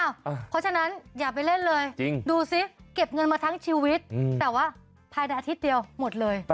เพราะฉะนั้นอย่าไปเล่นเลยดูสิเก็บเงินมาทั้งชีวิตแต่ว่าภายในอาทิตย์เดียวหมดเลย